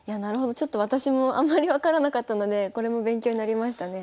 ちょっと私もあんまり分からなかったのでこれも勉強になりましたね。